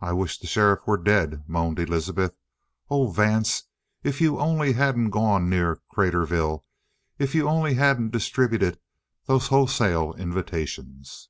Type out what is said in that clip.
"I wish the sheriff were dead!" moaned Elizabeth. "Oh, Vance, if you only hadn't gone near Craterville! If you only hadn't distributed those wholesale invitations!"